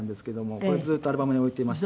これずっとアルバムで置いていまして」